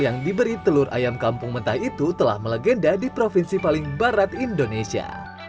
yang diberi telur ayam kampung mentah itu telah melegenda di provinsi paling barat indonesia